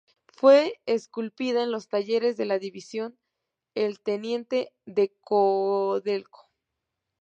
Fue esculpida en los talleres de la División El Teniente de Codelco.